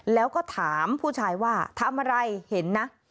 แล้วก็ถามผู้ชายว่าทำอะไรเห็นนะ